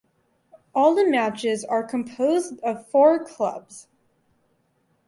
All the matches are composed of four clubs.